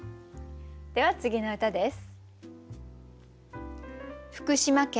では次の歌です。